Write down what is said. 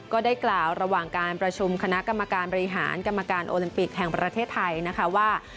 ก็ได้กล่าวระหว่างการประชุมคณะกรรมการบริหารกรรมการโอลิมปิกแห่งประเทศไทยนะคะว่า